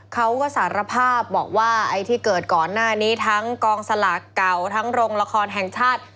เขาก็สารภาพบอกว่าไอ้ที่เกิดก่อนหน้านี้ทั้งกองสลากเก่าทั้งโรงละครแห่งชาติ